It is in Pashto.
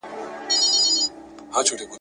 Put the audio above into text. زه به سبا د سوالونو جواب ورکړم